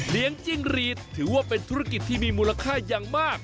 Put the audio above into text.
เลี้ยงจิ้งหลีดถือว่าเป็นธุรกิจที่มีมูลค่ายังมาก